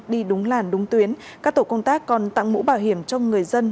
đi đúng làn đúng tuyến các tổ công tác còn tặng mũ bảo hiểm cho người dân